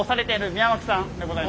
宮脇さん